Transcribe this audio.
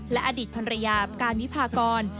และอดิษฐ์พันธ์ระยาอัพการวิพากร